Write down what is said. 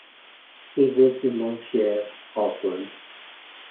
He lives in Mangere, Auckland.